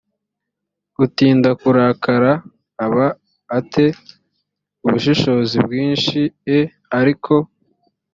utinda kurakara aba a te ubushishozi bwinshi e ariko